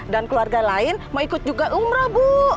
dan keluarga lain mau ikut juga umroh bu